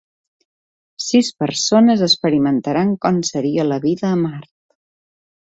Sis persones experimentaran com seria la vida a Mart